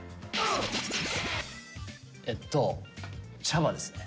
えっと茶葉ですね。